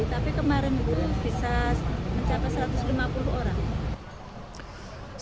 tapi kemarin itu bisa mencapai satu ratus lima puluh orang